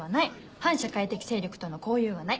反社会的勢力との交遊がない。